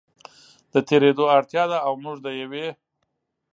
د تېرېدو اړتیا ده او موږ د یوې